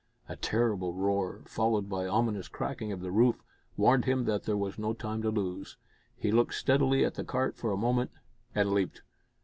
A terrible roar, followed by ominous cracking of the roof, warned him that there was no time to lose. He looked steadily at the cart for a moment and leaped.